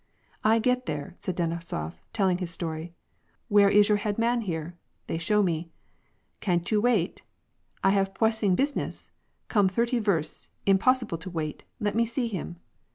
" 1 get there," said Denisof, telling his story. "' Where is your head man here ?' They show me. * Can't you wait ?'* I have pwessing business ; come thirty versts, impossible to wait ; let me see him